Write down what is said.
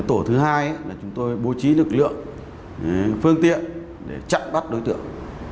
tổ thứ hai là chúng tôi bố trí lực lượng phương tiện để chặn bắt đối tượng